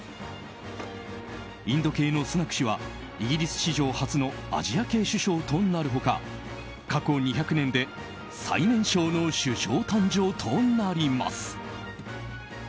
インド系のスナク氏はイギリス史上初のアジア系首相となる他過去２００年で最年少の首相誕生となります。